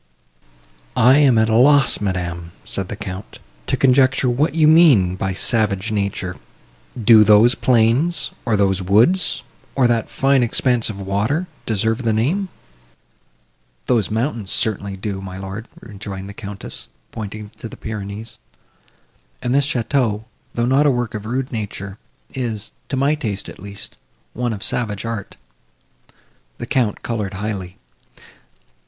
"I am at a loss, madam," said the Count, "to conjecture what you mean by savage nature. Do those plains, or those woods, or that fine expanse of water, deserve the name?" "Those mountains certainly do, my lord," rejoined the Countess, pointing to the Pyrenees, "and this château, though not a work of rude nature, is, to my taste, at least, one of savage art." The Count coloured highly.